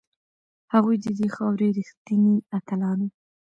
هغوی د دې خاورې ریښتیني اتلان وو.